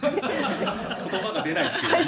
言葉が出ないという。